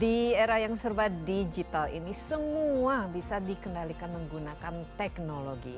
di era yang serba digital ini semua bisa dikendalikan menggunakan teknologi